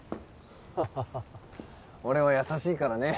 ハッハッハッハッ俺は優しいからね！